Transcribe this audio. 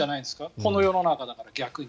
この世の中だから、逆に。